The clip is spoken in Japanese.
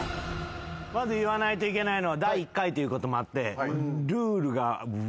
まず言わないといけないのは。ということもあって。